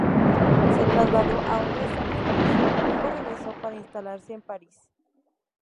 Se trasladó a Odessa, en Rusia, y luego regresó para instalarse en París.